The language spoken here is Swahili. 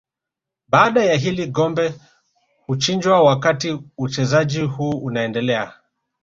Baada ya hili ngombe huchinjwa wakati uchezaji huu unaendelea